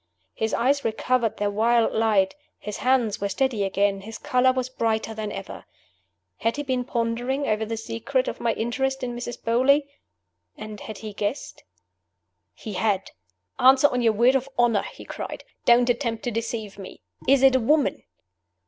His eyes recovered their wild light; his hands were steady again; his color was brighter than ever. Had he been pondering over the secret of my interest in Mrs. Beauly? and had he guessed? He had! "Answer on your word of honor!" he cried. "Don't attempt to deceive me! Is it a woman?"